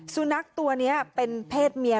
สุนัขตัวนี้เป็นเพศเมีย